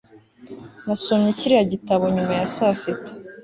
Nasomye kiriya gitabo nyuma ya saa sita